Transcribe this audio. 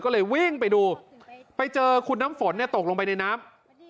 ก็เลยวิ่งไปดูไปเจอคุณน้ำฝนเนี่ยตกลงไปในน้ำ